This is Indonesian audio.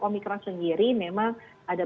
omikron sendiri memang ada